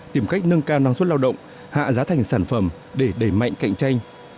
tìm cách nâng cao năng suất lao động hạ giá thành sản phẩm để đẩy mạnh cạnh tranh